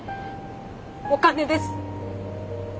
お金です。